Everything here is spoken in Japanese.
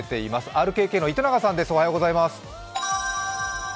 ＲＫＫの糸永さんです。